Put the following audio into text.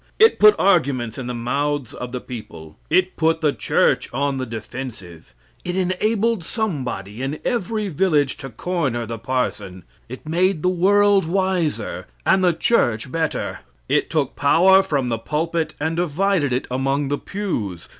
It put arguments in the mouths of the people; it put the church on the defensive, it enabled somebody in every village to corner the parson; it made the world wiser and the church better; it took power from the pulpit and divided it among the pews.